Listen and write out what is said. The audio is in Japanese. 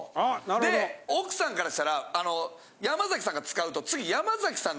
で奥さんからしたら山崎さんが使うと次。